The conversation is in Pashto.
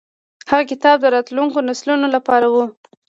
هغه کتاب د راتلونکو نسلونو لپاره و.